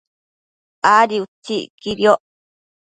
Adi utsi iquidioc